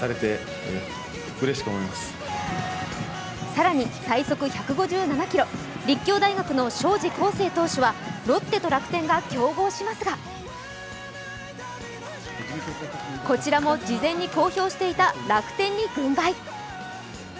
更に最速１５７キロ、立教大学の荘司康誠投手はロッテと楽天が競合しますがこちらも事前に公表していた楽天に軍配。